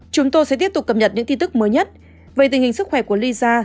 chúng tôi sẽ tiếp tục cập nhật những tin tức mới nhất về tình hình sức khỏe của lysa